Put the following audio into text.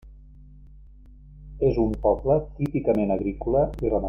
És un poble típicament agrícola i ramader.